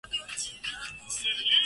Rais anakaribisha taarifa